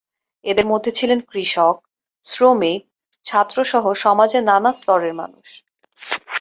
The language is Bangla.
এদের মধ্যে ছিলেন কৃষক, শ্রমিক, ছাত্র সহ সমাজের নানা স্তরের মানুষ।